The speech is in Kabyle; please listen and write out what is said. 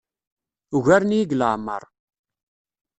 Ugaren-iyi deg leɛmeṛ.